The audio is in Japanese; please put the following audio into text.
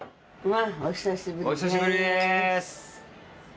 お久しぶりです。